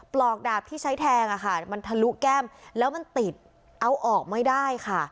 ปลอกดาบที่ใช้แทงมันทะลุแก้มแล้วมันติดเอาออกไม่ได้ค่ะ